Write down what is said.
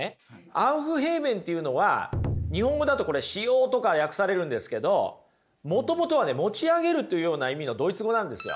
アウフヘーベンっていうのは日本語だとこれ「止揚」とか訳されるんですけどもともとは持ち上げるというような意味のドイツ語なんですよ。